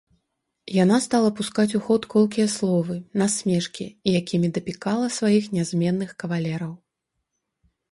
Яна стала пускаць у ход колкія словы, насмешкі, якімі дапікала сваіх нязменных кавалераў.